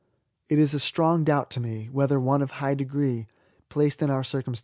It is a strong doubt to me, whether one of high degree, placed in our circum f2 100 E86AT8.